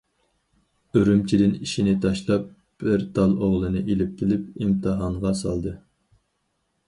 ئۈرۈمچىدىن ئىشىنى تاشلاپ، بىر تال ئوغلىنى ئېلىپ كېلىپ ئىمتىھانغا سالدى.